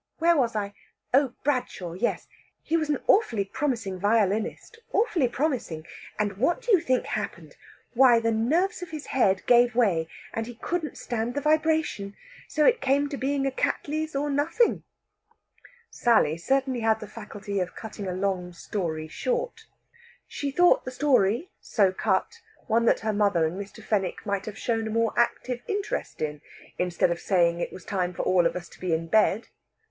"Where was I? Oh, Bradshaw; yes. He was an awfully promising violinist awfully promising! And what do you think happened? Why, the nerves of his head gave way, and he couldn't stand the vibration! So it came to being Cattley's or nothing." Sally certainly had the faculty of cutting a long story short. She thought the story, so cut, one that her mother and Mr. Fenwick might have shown a more active interest in, instead of saying it was time for all of us to be in bed.